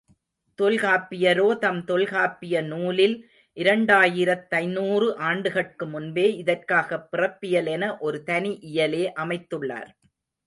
தொல்காப்பியரோ தம் தொல்காப்பிய நூலில் இரண்டாயிரத்தைந்நூறு ஆண்டுகட்கு முன்பே, இதற்காகப் பிறப்பியல் என ஒரு தனி இயலே அமைத்துள்ளார்.